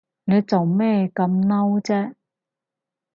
你做咩咁嬲啫？